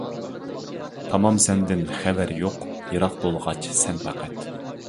تامام سەندىن خەۋەر يوق، يىراق بولغاچ سەن پەقەت.